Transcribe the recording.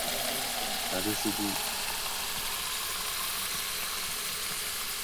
Its representatives have made appearances on "At Issue" and "Almanac".